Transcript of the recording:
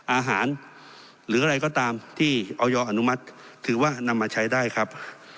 อาหารหรืออะไรก็ตามที่ออยอนุมัติถือว่านำมาใช้ได้ครับ